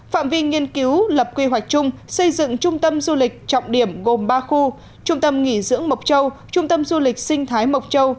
phạm vi nghiên cứu lập quy hoạch chung xây dựng trung tâm du lịch trọng điểm gồm ba khu trung tâm nghỉ dưỡng mộc châu trung tâm du lịch sinh thái mộc châu